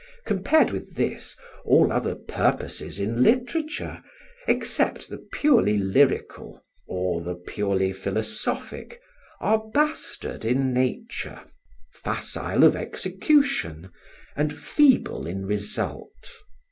Compared with this, all other purposes in literature, except the purely lyrical or the purely philosophic, are bastard in nature, facile of execution, and feeble in result.